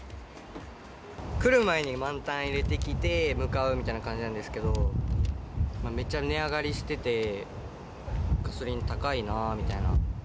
来る前に満タン入れてきて、向かうみたいな感じなんですけど、めっちゃ値上がりしてて、ガソリン高いなみたいな。